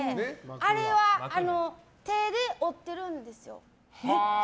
あれは手で織ってるんですよ。